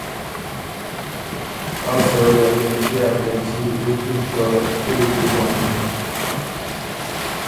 هر سړئ ا ګهېنټيې ا بېنلچي وروکِن که کُولی دی ځنېن۔